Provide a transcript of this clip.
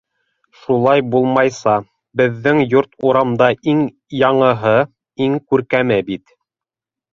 Шулай булмайса, беҙҙең йорт урамда иң яңыһы, иң күркәме бит.